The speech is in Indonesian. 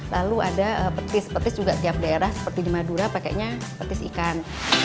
lalu ada petis petis juga tiap daerah seperti di madura pakainya petis ikan